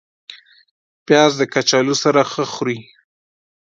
پیاز د کچالو سره ښه خوري